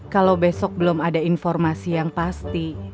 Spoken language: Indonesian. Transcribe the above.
kalau besok belum ada informasi yang pasti